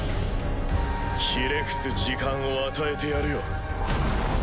ひれ伏す時間を与えてやるよ！